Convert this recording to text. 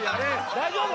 ・大丈夫？